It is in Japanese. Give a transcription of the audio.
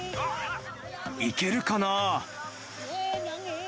いけるかな。